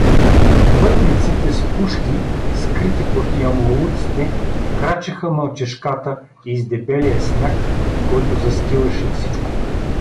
Пътниците, с пушки, скрити под ямурлуците, крачеха мълчешката из дебелия сняг, който застилаше всичко.